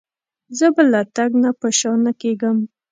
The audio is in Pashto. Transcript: زه به له تګ نه په شا نه کېږم.